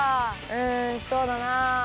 うんそうだなあ。